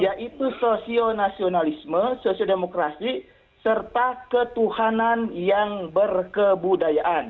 yaitu sosionasionalisme sosiodemokrasi serta ketuhanan yang berkebudayaan